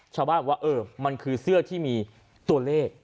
ชาวบ้านบอกว่าเออมันคือเสื้อที่มีตัวเลข